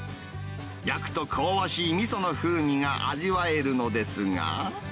焼くと香ばしいみその風味が味わえるのですが。